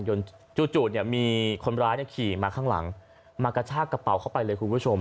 จู่เนี่ยมีคนร้ายขี่มาข้างหลังมากระชากกระเป๋าเข้าไปเลยคุณผู้ชม